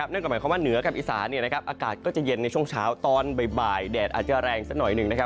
เนื่องจากหมายความว่าเหนือกับอิสาเนี่ยนะครับอากาศก็จะเย็นในช่วงเช้าตอนบ่ายแดดอาจจะแรงสักหน่อยหนึ่งนะครับ